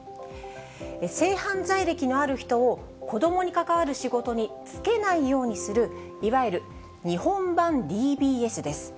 性犯罪歴のある人を、子どもに関わる仕事に就けないようにする、いわゆる日本版ＤＢＳです。